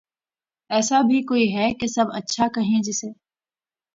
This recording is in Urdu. ایسا بھی کوئی ھے کہ سب اچھا کہیں جسے